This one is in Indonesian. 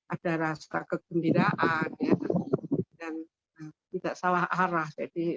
ada rasa kegembiraan dan tidak salah arah